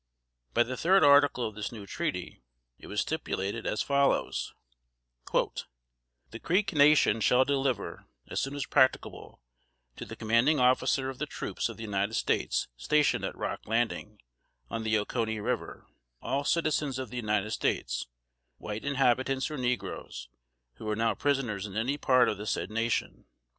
By the third article of this new treaty, it was stipulated as follows: "The Creek nation shall deliver, as soon as practicable, to the commanding officer of the troops of the United States stationed at Rock Landing, on the Oconee River, all citizens of the United States, white inhabitants or negroes, who are now prisoners in any part of the said nation.